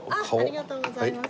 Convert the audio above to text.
ありがとうございます。